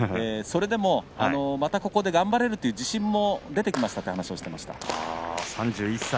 それでもまたここで頑張れるという自信も出てきました３１歳。